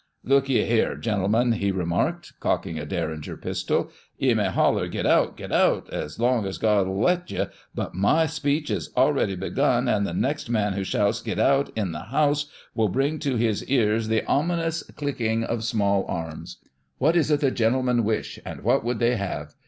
"Look ye here, gentle men," he remarked, cocking a Derringer pistol, "ye may holler 'Git out, git out' as long as God'll let ye, but my speech is already begun, and the next man who shouts ' Git out' iu the house will bring to his ears the ominous click of small arms. What is it the gentlemen wish, and what would they have